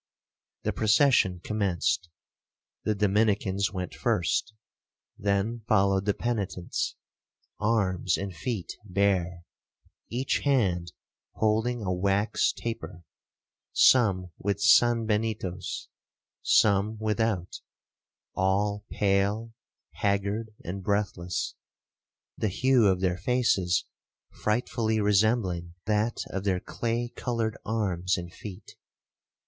The procession commenced,—the Dominicans went first, then followed the penitents, arms and feet bare, each hand holding a wax taper, some with san benitos, some without, all pale, haggard, and breathless, the hue of their faces frightfully resembling that of their clay coloured arms and feet.